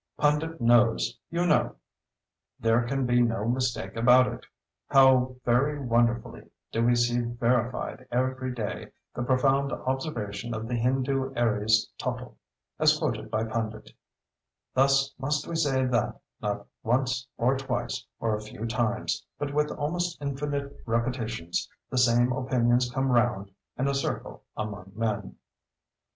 Pundit knows, you know; there can be no mistake about it. How very wonderfully do we see verified every day, the profound observation of the Hindoo Aries Tottle (as quoted by Pundit)—"Thus must we say that, not once or twice, or a few times, but with almost infinite repetitions, the same opinions come round in a circle among men."